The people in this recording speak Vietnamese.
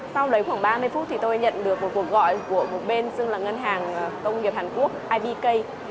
sau lấy khoảng ba mươi phút thì tôi nhận được một cuộc gọi của một bên xưng là ngân hàng công nghiệp hàn quốc ibk